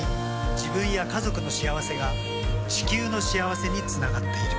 自分や家族の幸せが地球の幸せにつながっている。